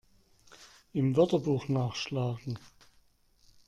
Im Wörterbuch nachschlagen!